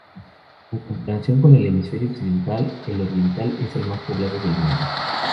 En comparación con el hemisferio occidental, el Oriental es el más poblado del mundo.